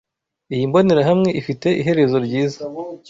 Iyi mbonerahamwe ifite iherezo ryiza.